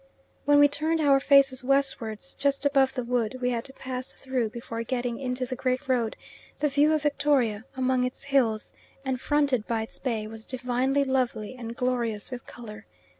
When we turned our faces westwards just above the wood we had to pass through before getting into the great road, the view of Victoria, among its hills, and fronted by its bay, was divinely lovely and glorious with colour.